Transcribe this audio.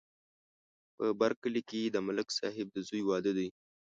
په بر کلي کې د ملک صاحب د زوی واده دی.